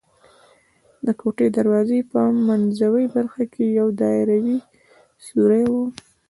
د کوټې د دروازې په منځوۍ برخه کې یو دایروي سوری و.